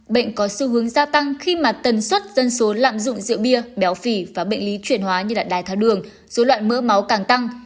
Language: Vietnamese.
bệnh có xu hướng gia tăng khi mà tần suất dân số lạm dụng rượu bia béo phì và bệnh lý chuyển hóa như đái tháo đường dối loạn mỡ máu càng tăng